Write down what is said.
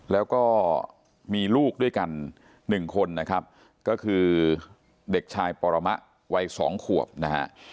แล้วก็มีลูกด้วยกัน๑คนนะครับก็คือเด็กชายปรมะวัย๒ขวบนะฮะ